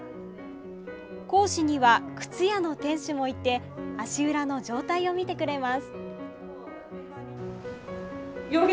講師には、靴屋の店主もいて足裏の状態を見てくれます。